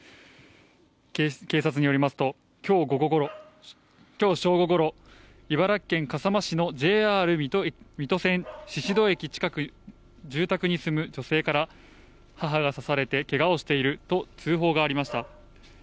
警察によりますと、きょう正午ごろ、茨城県笠間市のＪＲ水戸線の宍戸駅近くの住宅に住む女性から、母が刺されてけがをしていると通報がありました。